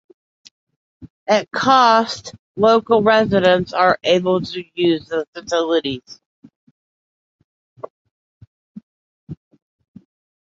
At a cost, local residents are also able to use the facilities.